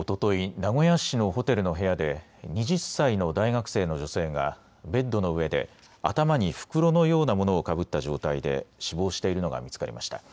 名古屋市のホテルの部屋で２０歳の大学生の女性がベッドの上で頭に袋のようなものをかぶった状態で死亡しているのが見つかりました。